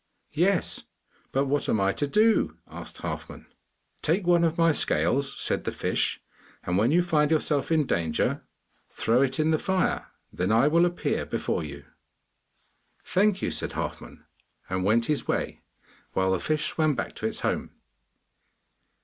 'Yes; but what am I to do?' asked Halfman. 'Take one of my scales,' said the fish, 'and when you find yourself in danger, throw it in the fire. Then I will appear before you.' 'Thank you,' said Halfman, and went his way, while the fish swam back to its home.